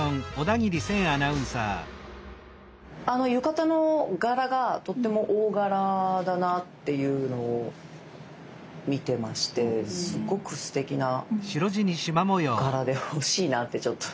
浴衣の柄がとっても大柄だなっていうのを見てましてすっごくすてきな柄で欲しいなってちょっと。